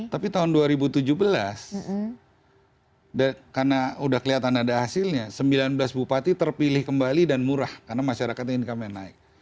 tapi tahun dua ribu tujuh belas karena sudah kelihatan ada hasilnya sembilan belas bupati terpilih kembali dan murah karena masyarakatnya income nya naik